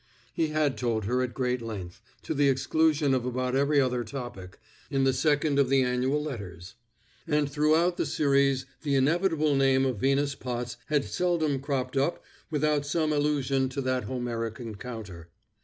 He had told her at great length, to the exclusion of about every other topic, in the second of the annual letters; and throughout the series the inevitable name of Venus Potts had seldom cropped up without some allusion to that Homeric encounter.